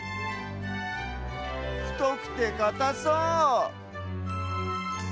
ふとくてかたそう！